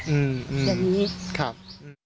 อืมอืมอืมอย่างนี้ครับ